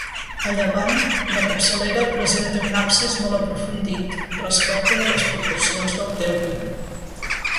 A llevant, la capçalera presenta un absis molt aprofundit, respecte de les proporcions del temple.